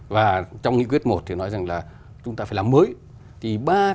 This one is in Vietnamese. và trong nghị quyết một chúng ta phải làm mới